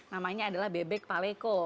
namanya adalah bebek paleko